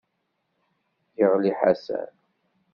Yeɣli Ḥasan.